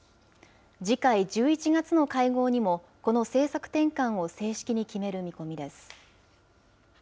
次回１１月の会合にも、この政策転換を正式に決める見込みです。